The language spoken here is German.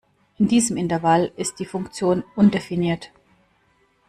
In diesem Intervall ist die Funktion undefiniert.